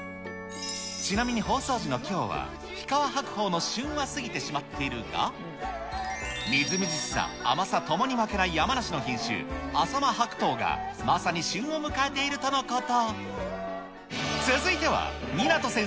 ちなみに放送時のきょうは、日川白鳳の旬は過ぎてしまっているが、みずみずしさ、甘さともに負けない山梨の品種、浅間白桃がまさに旬を迎えているということ。